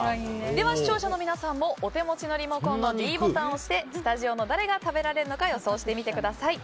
視聴者の皆さんもお手持ちのリモコンのｄボタンを押してスタジオの誰が食べられるのか予想してみてください。